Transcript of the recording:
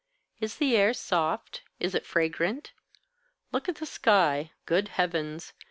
Is the air soft, is it fragrant? Look at the sky good heavens!